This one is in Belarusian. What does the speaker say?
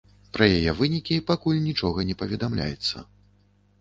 Пра яе вынікі пакуль нічога не паведамляецца.